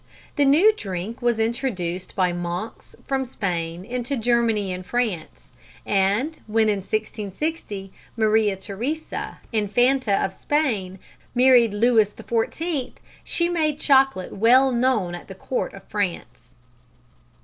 The new drink was introduced by monks from Spain into Germany and France, and when in 1660 Maria Theresa, Infanta of Spain, married Louis XIV, she made chocolate well known at the Court of France.